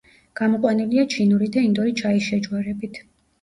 გამოყვანილია ჩინური და ინდური ჩაის შეჯვარებით.